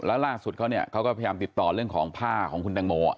แล้วล่าสุดเขาเนี่ยเขาก็พยายามติดต่อเรื่องของผ้าของคุณแตงโม